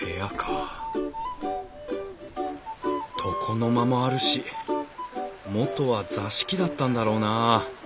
床の間もあるし元は座敷だったんだろうなあ。